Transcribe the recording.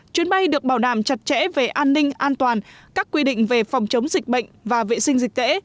chuyến bay được bảo đảm chặt chẽ về an ninh an toàn các quy định về phòng chống dịch bệnh và vệ sinh dịch tễ